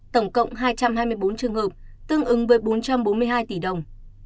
tổng cộng hai trăm hai mươi bốn trường hợp tương ứng với bốn trăm bốn mươi hai tỷ đồng